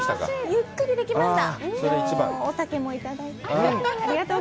ゆっくりできました。